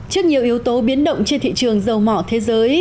trước nhiều yếu tố biến động trên thị trường dầu mỏ thế giới